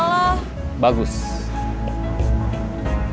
kamu tau bahwa di penjara itu adalah hukuman yang diberikan oleh hakim